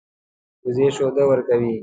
وزې شیدې ورکوي